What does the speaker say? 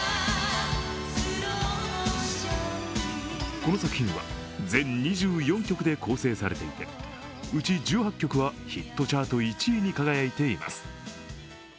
この作品は全２４曲で構成されていてうち１８曲は、ヒットチャート１位に輝いています。